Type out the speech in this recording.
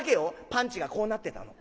パンチがこうなってたの。